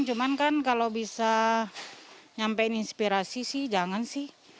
cuman kan kalau bisa nyampein inspirasi sih jangan sih